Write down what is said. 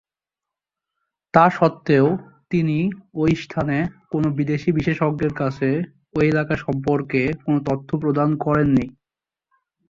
তাস্বত্ত্বেও তিনি ঐ স্থানে কোন বিদেশী বিশেষজ্ঞের কাছে ঐ এলাকা সম্পর্কে কোন তথ্য প্রদান করেননি।